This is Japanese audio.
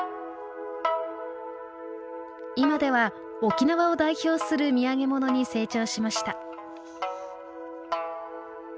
今では沖縄を代表する土産物に成長しました。